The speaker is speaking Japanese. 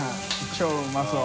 超うまそう。